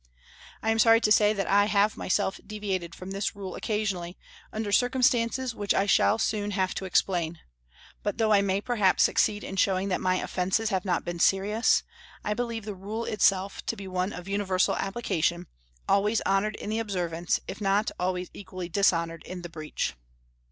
I am sorry to say that I have myself deviated from this rule occasionally, under circumstances which I shall soon have to explain; but though I may perhaps succeed in showing that my offences have not been serious, I believe the rule itself to be one of universal application, always honoured in the observance, if not always equally dishonoured in the breach.